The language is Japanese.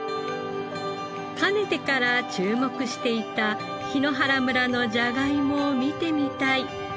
かねてから注目していた檜原村のじゃがいもを見てみたい。